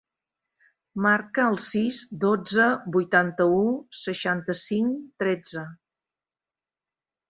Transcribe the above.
Marca el sis, dotze, vuitanta-u, seixanta-cinc, tretze.